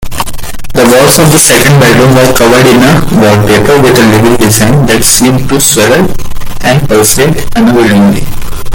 The walls of the second bedroom were covered in a wallpaper with a livid design that seemed to swirl and pulsate unnervingly.